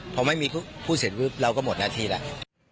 พอไม่มีผู้เสร็จปุ๊บเราก็หมดหน้าที่แล้ว